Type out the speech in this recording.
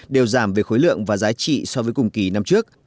đều giảm về khối lượng và giá trị so với cùng kỳ năm trước